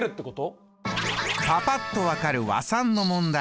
パパっと分かる和算の問題